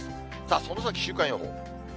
その先、週間予報。